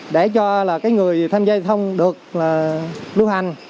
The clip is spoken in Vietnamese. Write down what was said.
để cho người tham gia giao thông được lưu hành